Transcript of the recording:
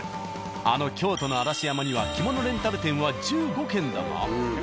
あの京都の嵐山には着物レンタル店は１５軒だが。